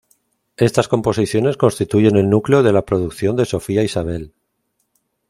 Estas composiciones constituyen el núcleo de la producción de Sofía Isabel.